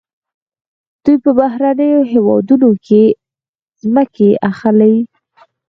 دوی په بهرنیو هیوادونو کې ځمکې اخلي.